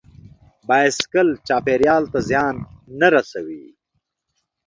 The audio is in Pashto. بایسکل چاپېریال ته زیان نه رسوي.